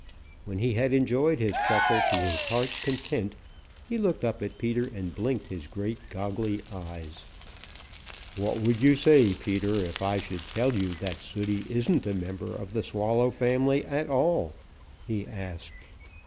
When he had enjoyed his chuckle to his heart's content, he looked up at Peter and blinked his great goggly eyes. "What would you say, Peter, if I should tell you that Sooty isn't a member of the Swallow family at all?" he asked.